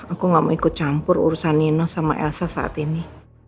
aku gak mau ikut campur urusan nino sama elsa saat ini